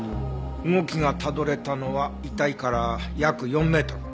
動きがたどれたのは遺体から約４メートル。